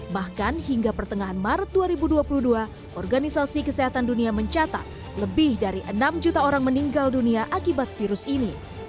bahkan hingga pertengahan maret dua ribu dua puluh dua organisasi kesehatan dunia mencatat lebih dari enam juta orang meninggal dunia akibat virus ini